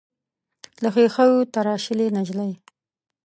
له ښیښو تراشلې نجلۍ.